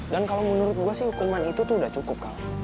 dan kalo menurut gue sih hukuman itu tuh udah cukup kal